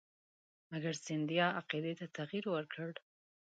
مګر سیندهیا عقیدې ته تغیر ورکړ.